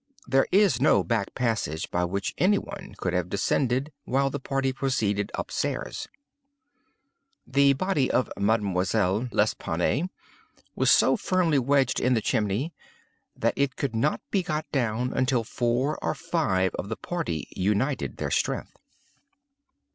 There is no back passage by which any one could have descended while the party proceeded up stairs. The body of Mademoiselle L'Espanaye was so firmly wedged in the chimney that it could not be got down until four or five of the party united their strength.